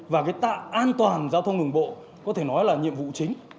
và tạm an toàn giao thông đường bộ có thể nói là nhiệm vụ chính